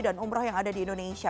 dan umroh yang ada di indonesia